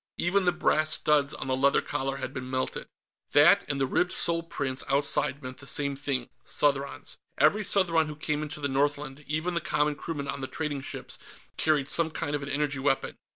Even the brass studs on the leather collar had been melted. That and the ribbed sole prints outside meant the same thing Southrons. Every Southron who came into the Northland, even the common crewmen on the trading ships, carried some kind of an energy weapon.